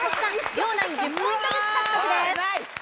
両ナイン１０ポイントずつ獲得です。